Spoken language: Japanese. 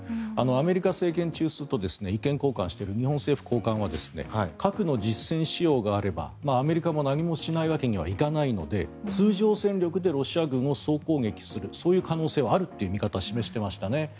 アメリカ政権中枢と意見交換をしている日本政府高官は核の実戦使用があればアメリカも何もしないわけにはいかないので通常戦力でロシア軍を総攻撃するそういう可能性はあるという見方を示していましたね。